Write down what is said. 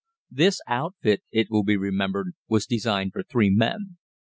This outfit, it will be remembered, was designed for three men.